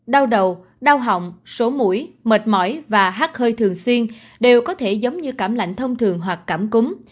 đau đầu đau họng số mũi mệt mỏi và hát hơi thường xuyên đều có thể giống như cảm lạnh thông thường hoặc cảm cúm